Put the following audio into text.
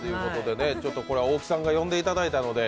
これは大木さんが呼んでいただいたので。